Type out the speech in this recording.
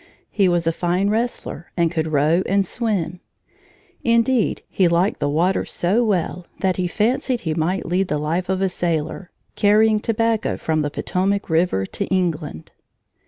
He was a fine wrestler and could row and swim. Indeed, he liked the water so well, that he fancied he might lead the life of a sailor, carrying tobacco from the Potomac River to England.